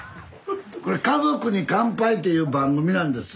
これ「家族に乾杯」っていう番組なんです。